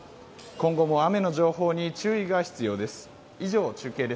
今後も雨の情報に注意が必要です。